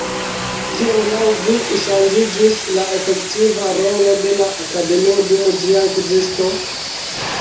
Kiel laŭ vi ŝanĝiĝis la efektiva rolo de la Akademio dum ĝia ekzisto?